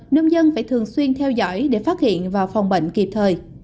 nông dân phải thường xuyên theo dõi để phát hiện và phòng bệnh kịp thời